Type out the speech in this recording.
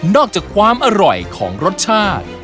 อกจากความอร่อยของรสชาติ